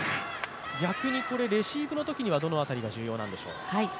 逆にレシーブのときにはどの辺りが重要なんでしょう？